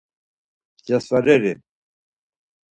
Cesvareri.